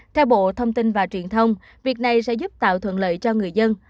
theo bộ thông tin và truyền thông việc này sẽ giúp tạo thuận lợi cho người dân